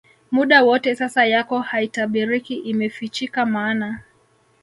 muda wote sasa yako haitabiriki Imefichika maana